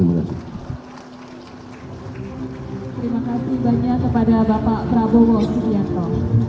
terima kasih banyak kepada bapak prabowo subianto